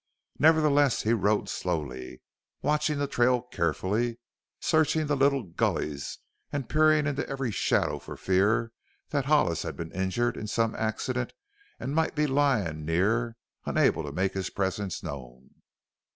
Nevertheless he rode slowly, watching the trail carefully, searching the little gullies and peering into every shadow for fear that Hollis had been injured in some accident and might be lying near unable to make his presence known.